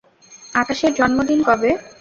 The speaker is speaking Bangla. আকাশের জন্মদিন কবে?